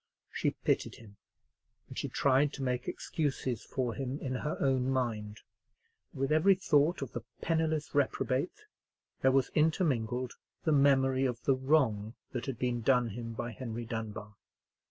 She pitied him, and she tried to make excuses for him in her own mind: and with every thought of the penniless reprobate there was intermingled the memory of the wrong that had been done him by Henry Dunbar.